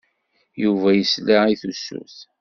Yuba yesla i tusut.